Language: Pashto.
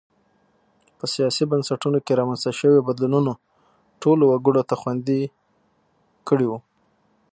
په سیاسي بنسټونو کې رامنځته شویو بدلونونو ټولو وګړو ته خوندي کړي وو.